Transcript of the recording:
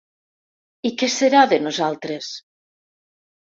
I què serà de nosaltres?